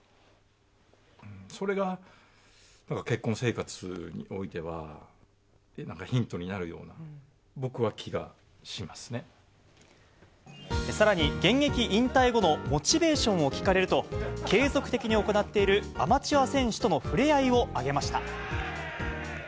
それが結婚生活においては、なんかヒントになるような、さらに、現役引退後のモチベーションを聞かれると、継続的に行っているアマチュア選手との触れ合いを挙げました。